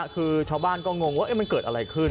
คือชาวบ้านก็งงว่ามันเกิดอะไรขึ้น